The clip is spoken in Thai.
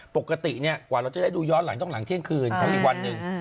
ปกติกว่าเราจะได้ดูย้อนหลังต้องหลังเที่ยงคืนของอีกวันหนึ่ง